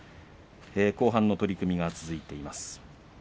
後半の取組が続いています。